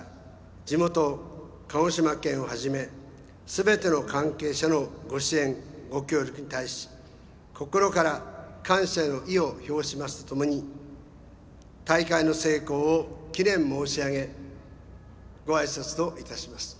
地元・鹿児島県をはじめ全ての関係者のご支援、ご協力に対し心から感謝の意を表しますとともに大会の成功を祈念申し上げごあいさつといたします。